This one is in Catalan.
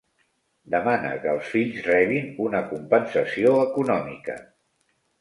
Demana que els fills rebin una compensació econòmica.